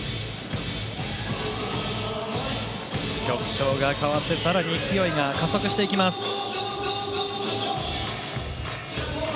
曲調が変わってさらに勢いが加速していきます。